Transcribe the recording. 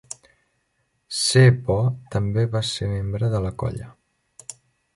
C-Bo també va ser membre de la colla.